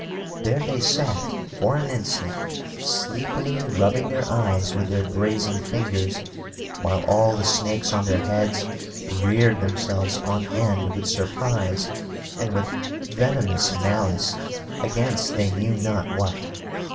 There they sat, for an instant, sleepily rubbing their eyes with their brazen fingers, while all the snakes on their heads reared themselves on end with surprise, and with venomous malice against they knew not what.